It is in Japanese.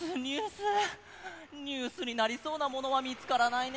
ニュースになりそうなものはみつからないね。